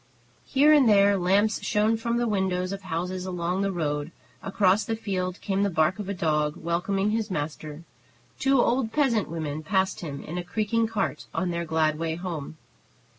Here and there lamps shone from the windows of houses along the road; across the field came the bark of a dog, welcoming his master; two old peasant women passed him in a creaking cart on their glad way home.